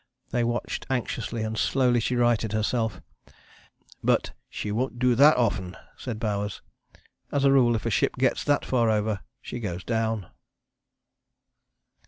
They watched anxiously, and slowly she righted herself, but "she won't do that often," said Bowers. As a rule if a ship gets that far over she goes down.